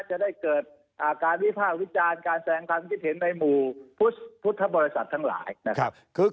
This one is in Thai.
จะได้เกิดอาการวิภาควิจารณ์การแสงคันพิเทศในหมู่พุทธบริษัททั้งหลายนะฮะ